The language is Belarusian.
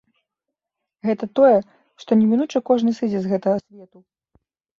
Гэта тое, што немінуча кожны сыдзе з гэтага свету.